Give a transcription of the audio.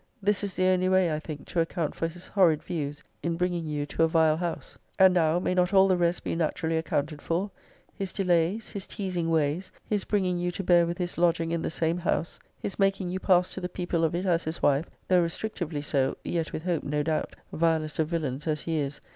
This is the only way, I think, to account for his horrid views in bringing you to a vile house. And now may not all the rest be naturally accounted for? His delays his teasing ways his bringing you to bear with his lodging in the same house his making you pass to the people of >>> it as his wife, though restrictively so, yet with hope, no doubt, (vilest of villains as he is!)